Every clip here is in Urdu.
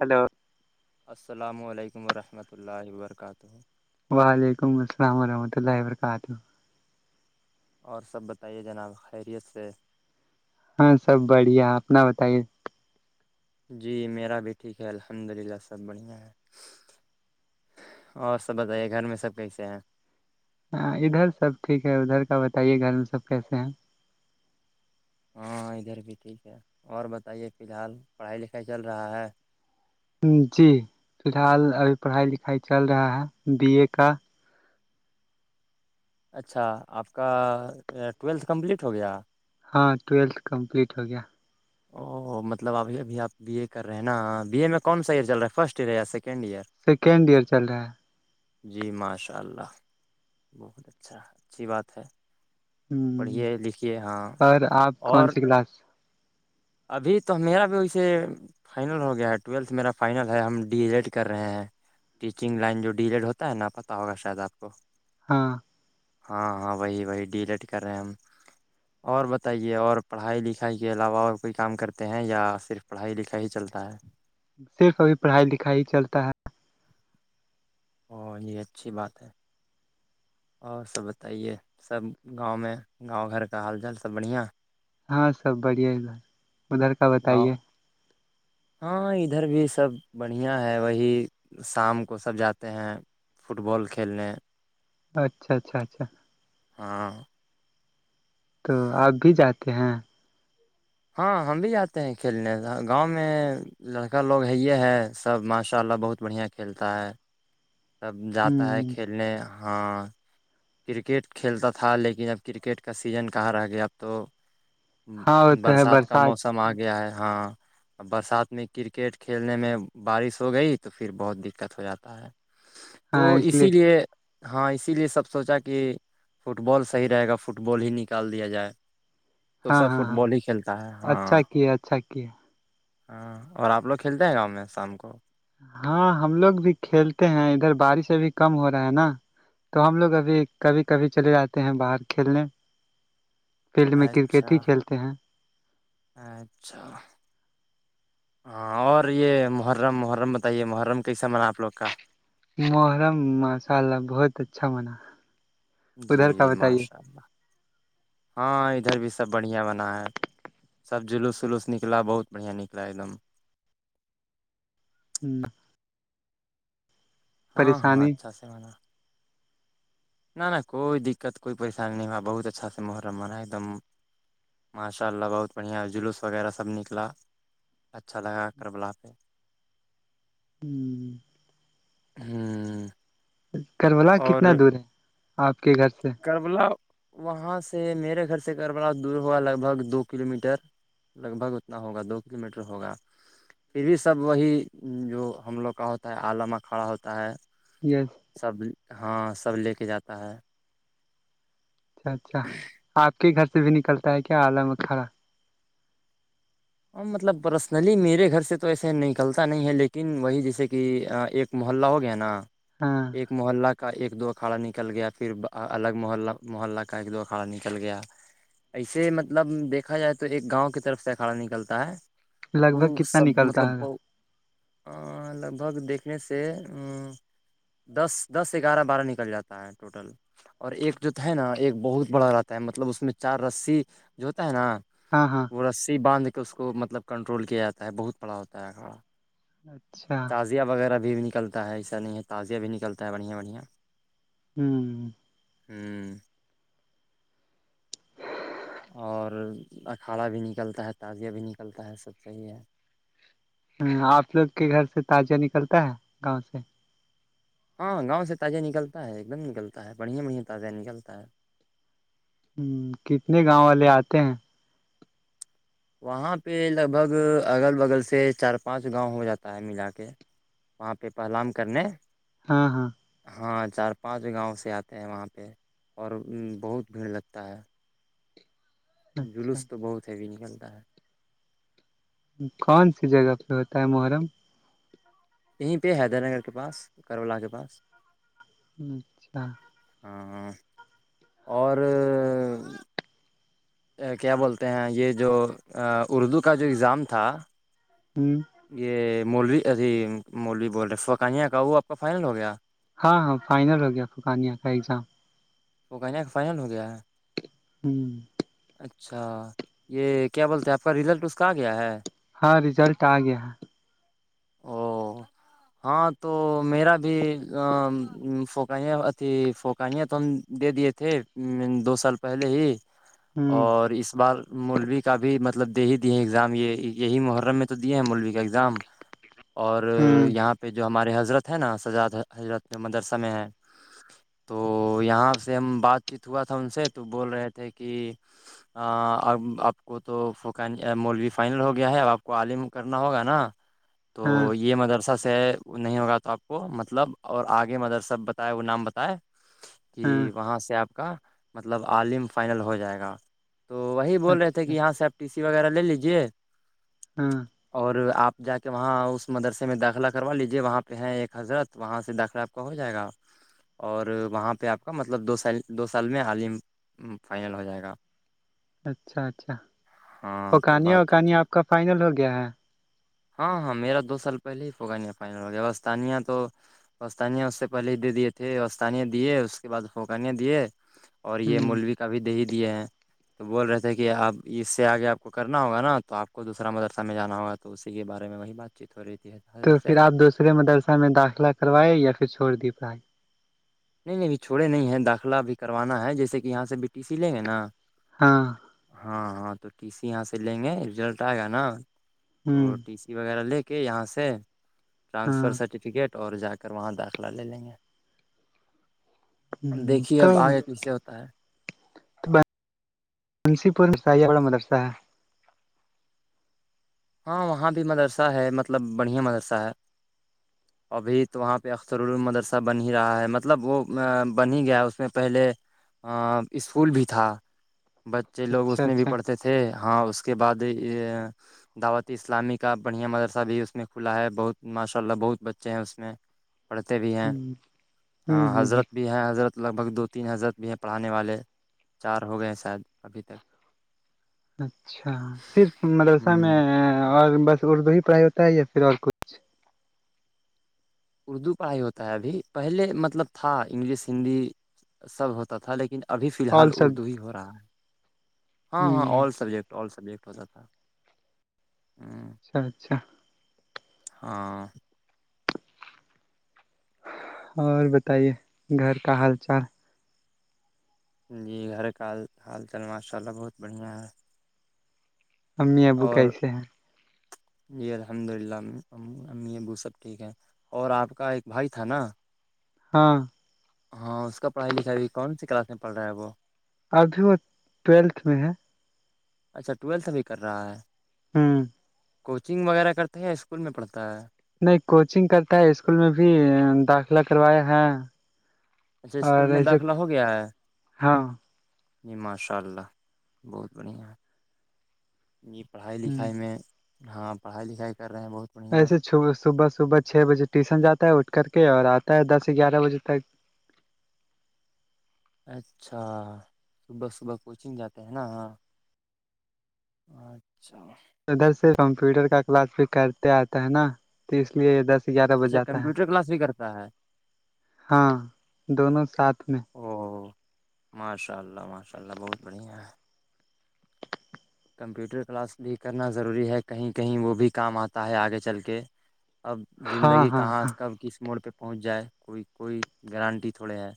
ہیلو السلام علیکم ورحمۃ اللہ وبرکاتہ وعلیکم السلام ورحمۃ اللہ وبرکاتہ اور سب بتائیے جناب خیریت سے ہاں سب بڑھیا اپنا بتائیے جی میرا بھی ٹھیک ہے الحمد للہ سب بڑھیا ہے اور سب بتائیے گھر میں سب کیسے ہیں ہاں ادھر سب ٹھیک ہے ادھر کا بتائیے گھر میں سب کیسے ہیں ہاں ادھر بھی ٹھیک ہے اور بتائیے فی الحال پڑھائی لکھائی چل رہا ہے جی فی الحال ابھی پڑھائی لکھائی چل رہا ہے بی اے کا اچھا آپ کا ٹویلتھ کمپلیٹ ہو گیا ہاں ٹویلتھ کمپلیٹ ہو گیا اوہ مطلبھی ابھی آپ بی ا کر رہے ہیں نا بی اے میں کون سا ایئر چل رہا ہے فرسٹ ایئر ہے یا سیکنڈ ایئر سیکنڈ ایئر چل رہا ہے جی ماشاء اللہ بہت اچھا اچھی بات ہے ہے پڑھیے لکھیے ہاں اور آپ کون اور سی کلاس ابھی تو میرا بھی ویے فائنل ہو گیا ہے ٹویلتھ میرا فائنل ہے ہم ڈی ای ایڈ کر رہے ہیں ٹیچنگ لائن جو ڈیلیٹ ہوتا ہے نہ پت ہوگا شاید آپ کو ہاں ہاں ہاں وہی وہی ڈیلیٹ کر رہے ہیں ہم اور بتائیے اور پڑھائی لکھائی کے علاوہ اور کوئی کام کرتے ہیں یا صرھر پڑھائی لکھائی ہی چلتا ہے صرف ابھی پڑھائی لکھائی چلتا ہے اورو یہ اچھی بات ہے اور سب بتائیے سب گاؤں میں گاؤں گھر کا حال چال سب بڑھیا ہاں سب بڑھ ہے ادھر ادھر کا گاؤں بتائیے ہاں ادھر بھی سب بڑھیا ہے وہی شام کو سب جاتے ہیں فٹ بال کھیلنے اچھا اچھا اچھا ہاں تو آپ بھی جاتے ہیں ہاں ہم بھی آاتے ہیں کھیلنے گاؤں میں لڑکا لوگ ہے ہے سب ماشاء اللہ بہت بڑھیا ک کھیلتا ہے سب جاتا ہے ہ کھیلنے ہاں کرکٹ کھیلتا تھا لیکن اب کرکٹ کا سیزن کہاں رہ گیا اب تو ہاں وہ تو ہے برسات کا موسم آ گیا ہے ہاں ا برسات میں کرکٹ کھیلنے میں بارش ہو گئی تو پھر بہت دقت ہو جاتا ہے ہاں تو اس اسی لیے ہاں اسی لیے سب سوچا کہ فٹ بال صحیح رہے گا فٹ بال ہی نکال دیا جائے تو ہاں سب ہاں فٹ ہاں بال ہی کھیلتا ہے اچھا ہاں کیا اچھا کیا ہاں اور آپ لوگ کھیلتے ہیں گاؤں میں شام کو ہاں ہم لوگ بھی کھیلتے ہیں ادھر بارشیں بھی کم ہو رہا ہے نا تو ہم لوگ ابھی کبھی کبھی چلے جاتے ہیں باہر کھیلنے فیلڈ میں کرکٹ اچھا ہی کھیلتے ہیں اچھا ہاں اور یہ محرم محرم بتائیے محرم کیسا من آپ لوگ کا محرم ماشاء اللہ بہت اچھا منا جی ادھر کا جی بتائیے ماشاء اللہ ہاں ادھر بھی سب بڑھیا بنا ہے سب جلوس ولوس نکلا بہت بڑیا نکلا ایک دم ہوں ہاں ہاں پریشانی اچھا سے مناا نہ نہ کوئی دقت کوئی پریشانی نہیں ہوا بہت اچھا سے محرمنا ایک دم ماشاء اللہ بہت بڑھیا جلوس وغیرہ سب نکلا اچھا لگا کرلا پہ ہوں ہوں کرولا کتنا دور ہے آپ کے گھر سے کربلا وہاں سے میرے گھر سے کربلا دور ہوا لگ بھگ دو کلو میٹر لگ بھگ اتنا ہوگا دو کلو میٹر ہوگا پھر بھی سب وہی جو ہم لوگ کا ہوتا ہے الی م اکھھڑا ہوتا ہے یس سب ہاں سب لے کے جاتا ہے اچھا اچھا آپ کے ہی گھر سے بھی نکلتا ہے کیا الی مکھھرا مطلب پرسنلی میرے گھر سے تو ایسے نکلتا نہیں ہے لیکن وہی جیسے کہ ایک محلہ ہو گیا نا ہاں ایک محلہ کا ایک دو اکھھاڑا نکل گیا پھر الگ محلہ محلہ کا ایک دو اکھھاڑا نکل گیا ایسے مطلب دیکھا جائے تو ایک گاؤں کی طرف سے کھڑا نکلتا ہے لگ بھگ وہ کتنا سب نکلتا مطلب ہے بت لگ بھگ دیکھنے سے دس دس گیارہ بارہ نکل جاتا ہے ٹوٹل اور ایک جو تو ہے نا ایک بہت بڑا رہتا ہے مطلب اس میں چار رسی جو ہوتا ہے نا ہاں ہاں رسیی بدھ کے اس کو مطلب کنٹرول کیا جاتا ہے بہت پڑا ہوتا ہے کھڑا اچھا تازیہ وغیرہ بھی نلتا ہے ایسا نہیں ہے تازیہ بھی نکلتا ہے بڑھیا بڑھیا ہوں ہوں اور اکھاڑا بھی نکلتا ہے تازیہ بھی نکلتا ہے سب صحیح ہے آپ لوگ کے گھر سے تجہ نکلتا ہے گاؤں سے ہاں گاؤں سے تازہ نکلتا ہے ایک دم نکلتا ہے بڑھیا بڑھیا تازہ نکلتا ہے کتنے گاؤں والے آتے ہیں وہاں پہ لگ بھگ اگل بگل سے چار پانچ گاؤں ہو جاتا ہے ملا کے وہاں پہ پہلام کرنے ہاں ہاں ہاں چار پانچ گاؤں سے آتے ہیں وہاں پہ اور بہت بھیڑ لگتا ہے اچھا جلوس تو بہت ہے بھی نکلتا ہے کون سی جگہ پہ ہوتا ہے محرم یہیں پہ حیدر نگر کے پاس کرولا کے پاس اچھا ہاں ہاں اور کیا بولتے ہیں یہ جو اردو کا جو ایگزام تھا ہوں یہ مولوی اھی مولوی بول رہے فوقانیہ کا وہ آپ کا فائنل ہو گیا ہاں ہاں فائنل ہو گیا فکانیا کا ایگزام وہ کہ کا فائنل ہو گیا ہے ہوں اچھا یہ کیا بولتے ہیں آپ کا رزلٹ اس کا آ گیا ہے ہاں ریزلٹ آ گیا او ہاں تو میرا بھی پوکائں اتیھی پوکائیاں تو ہم دے دیے تھے دو سال پہلے ہی ہوں اور اس بار موللوی کا بھی مطلب دے ہی دی ہیں ایگزام یہ یہی محرم میں تو دیے ہیں مولوی کا اگزام اور ہوں یہاں پہ جو ہمارے حضرت ہے نا سجاد حضرت جو مدرسہ میں ہے تو یہاں سے ہم بات چیت ہوا تھا ان سے تو بول رہے تھے کہ اب آپ کو تو ف مولوی فائنل ہو گیا ہے اب آپ کو عالم کرنا ہوگا نا ہاں تو یہ مدرسہ وہ نہیں ہوگا تو آپ کو مطلب اور آگے مدر سب بتائے وہ نام بتائے ہاں کہ وہاں سے آپ کا مطلب عالم فائنل ہو جائے گا تو وہی بول رہے تھے کہ اچھا یہاں ساپ ٹی سی وغیرہ لے لیجے ہاں اور آپ جا کے وہاں اس مدرسے میں داخلہ کروا لیجیے وہاں پہ ہیں ایک حضرت وہاں سے داخلہ کو جائے گا اور وہاں پہ آپ کا مطلب دو سال دو سال میں عالم فائنل ہو جائے گا اچھا اچھا ہاں تو پکانیاں بات چیت وکانیا آپ کا فائنل ہو گیا ہے ہاں ہاں میرا دو سال پہلے ہی فگانیا فائنل ہو گیا اسستانیہ تو پستانیہ اس سے پہلے دے دیے تھے اسستانیہ دیے اس کے بعد فوکانیا دیے اور یہ ہ مولوی کا بھی دہی دیے ہیں تو بول رہے تھے کہ آپ اس سے آگے آپ کو کرنا ہوگا نا تو آپ کو دوسرا مدرسہ میں جانا ہوگا تو اسی کے بارے میں وہی بات چیت ہو رہی ت ہے تو پھر آپ دوسرے مدرسہ میں داخلہ کروائےیں یا پھر چھوڑ دی پائی نہیں نہیں بھی چھوڑے نہیں ہیں داخلہ بھی کروانا ہے جیسے کہ یہاں سے بی ٹی سی لیں گے نا ہاں ہاں ہاں تو ٹی سی یہاں سے لیں گے رزلٹ آئے گا نا تو ہ وغیرہ لے کے یہاں سے ٹرانسفر ہاں سرٹیفکیٹ اور جا کر وہاں داخلہ لے لیں گے دیکھیے تو اب آگے کیسے ہوتا ہے منسی پور شاہا مدرسا ہاں وہاں بھی مدرسہ ہے مطلب بڑھیا مدرسہ ہے ابھی تو وہاں پہ اخترالمدرسہ بن ہی رہا ہے مطلب وہ بن ہی گیا ہے اس میں پہلے اسکول بھی تھا بچے لوگ اس اچھا میں بھی اچھا ہ پڑھتے تھے ہاں اس کے بعد دعوت اسلامی کا بڑھیا مدرسہ بھی اس میں کھلا ہے بہت ماشاء اللہ بہت بچے ہیں اس میں پڑھتے بھی ہیں ہوں ہاں ہ ہ حضرت بھی ہیں حضرت لگ بھگ دو تین حضرت بھی ہے پڑھانے والے چار ہو گئے ہیں شاید ابھی تک اچھا صرف ہ مدرسہ میں اور بس اردو ہی پڑھائی ہوتا ہے یا پھر اور کچھ اردو پڑھائی ہوتا ہے ابھی پہلے مطلب تھا انگلش ہندی سب ہوتا تھا لیکن ابھی فی الحال اور سب اردو ہی ہو رہا ہے ہاں ہاں ہ آل سبجیکٹ آل سبجیکٹ تا تھا اچھا اچھا ہاں اور بتائیے گھر کا حال چال جی گھر کاال حال چال ماشاء اللہ بہت بڑھیا ہے امی ابو اور کیسے ہیں جی الحمد للہ ا ابو سب ٹھیک ہے اور آپ کا ایک بھائی تھا نا ہاں ہاں اس کا پڑھائی لکھائی بھی کون سی کلاس میں پڑ رہا ہے وہ ابھی وہ ٹویلتھ میں ہے اچھا ٹویلتھ بھیھی کر رہا ہے ہوں کوچنگ وغیرہ کرتے ہیں اسکول میں پڑھتا ہے نہیں کوچنگ کرتا ہے اسکول میں بھی داخلہ کروایا ہے اچھا اسکول اور میں ایسے داخلہ ہو گیا ہے ہاں جی ماشاء اللہ بہت بڑھیا ہے پڑھائی ہ لکھائی میں ہاں پڑھائی لکھائی کر رہے ہیں بہت بڑھیا وسےب صبح صبح چھ بجے ٹیوشن جاتا ہے اٹھ کر کے اور آتا ہے دس گیارہ بجے تک اچھا صبح صبح کوچنگ جاتے ہیں نا اچھا ادھر سے کمپیوٹر کا کلاس بھی کرتے آتا ہے نا تو اس لیے ادھر سے اچھا کمپیوٹر کلاس بھی کرتا ہے ہاں دونوں ساتھ میں ماشاء اللہ ماشاء اللہ بہت بڑھیا ہے کمپیوٹر کلاس بھی کرنا ضروری ہے کہیں کہیں وہ بھی کام آتا ہے آگے چل کے اب ہاں زندگی ہاں کہاں ہاں کب کس موڑ پہ پہنچ جائے کوئی کوئی گارانٹی تھوڑے ہے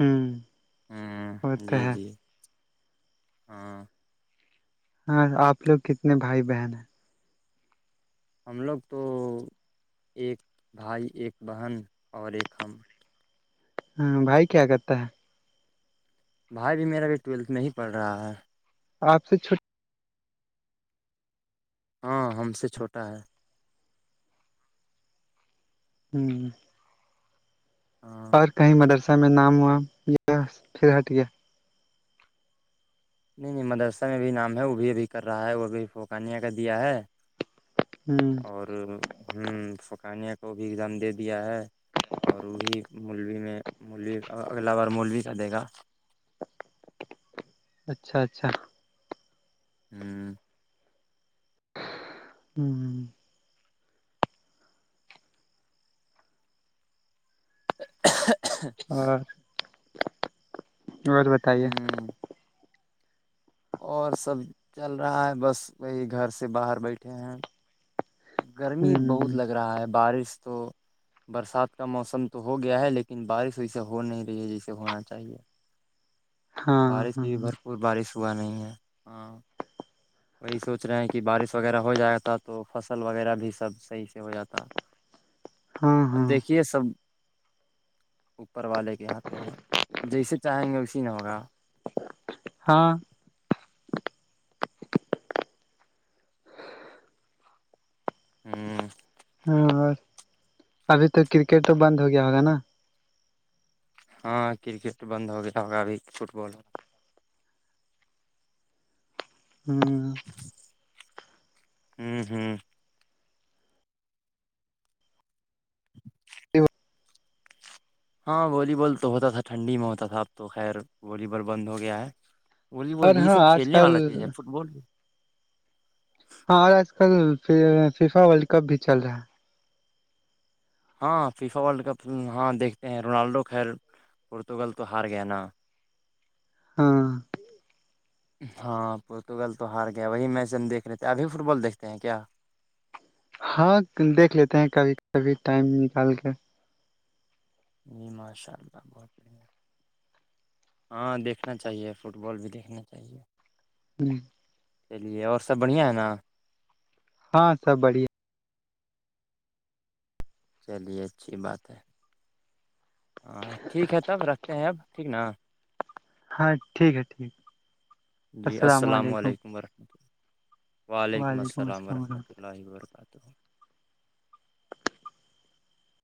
ہوں وہ تو جی ہے جی ہاں ہاں آپ لوگ کتنے بھائی بہن ہیں ہم لوگ تو ایک بھائی ایک بہن اور ایک ہم ہاں بائ کے آگتا بھائی بھی میرا ا بھیھی ٹویلتھ میں ہی پڑھ رہا ہے آپ سے چھ ہاں ہم سے چھوٹا ہے ہوں ہاں مدرسہ میں ناما فھر ہاٹ گیا نہیں نہیں مدرسہ میں بھی نام ہے وہ بھی ابھی کر رہا ہے وہ ابھی فوکانیہ کا دیا ہے ہوں اور فقانیہ کو بھی ایگزام دے دیا ہے اور وہی مولوی میں مولوی اگلا بار مولوی کا دے گا اچھا اچھا ہوں ہوں [inaudible] اور تو بتائیے ہ اور سب چل رہا ہے بس وہی گھر سے باہر بیٹھے ہیں ہ گرمی بہت لگ رہا ہے بارش تو برسات کا موسم تو ہو گیا ہے لیکن بارش ویسے ہو نہیں رہی ہے جیسے ہونا چاہیے ہاں بارش سے بھی ہاں بھرپور بارش ہوا نہیں ہے ہاں وہی سوچ رہے ہیں کہ بارش وغیرہ ہو جاتا تو فصل وغیرہ بھی سب صحیح سے ہو جاتا ہاں اب ہاں دیکھیے سب اوپر والے کے ہاتھ میں ہیں جیسے چاہیں گے اسی نہ ہوگا ہاں ہوں ہاں اور ابھی تو کرکٹ تو بند ہو گیا ہوگا نا ہاں کرکٹ بند ہو گیا ہوگا ا بھی فٹ بال ہو ہوں ہوں ہوں [inaudible] ہاں والی بال تو ہوتا تھا ٹھنڈی میں ہوتا تھا اب تو خیر والی بال بند ہو گیا ہے بولی اور بوللی یہ ہاں سب آج کھیلنے کل والا چیز ہے فٹ بال بھی ہاں اور آج کل فیفا ورلڈ کپ بھی چل رہا ہے ہاں فیفا ورلڈ کپ فلم ہاں دیکھتے ہیں رونالڈو خیر پورتگل تو ہار گیا نا [inaudible] ہاں [inaudible] ہاں پورتگال تو ہار گیا وہی میچ ہم دیکھ رہے تھے ابھی فٹ بال دیکھتے ہیں کیا ہاں دیکھ لیتے ہیں کبھی کبھی ٹائم نکال کے جی ماشاء اللہ بہت بڑھیا ہاں دیکھنا چاہیے فٹ بال بھی دیکھنا چاہیے ہوں چلیے اور سب بڑھیا ہے نا ہاں سب بڑیا چلیے اچھی بات ہے ہاں ٹھیک ہے تب رکھتے ہیں اب ٹھیک نا ہاں ٹھیک ہے ٹھیک ہے السلام وعلیکم علیکم السلام ورحمۃ تو